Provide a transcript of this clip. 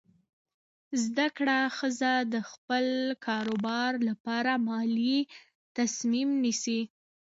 زده کړه ښځه د خپل کاروبار لپاره مالي تصمیم نیسي.